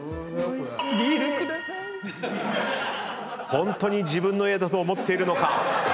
ホントに自分の家だと思っているのか。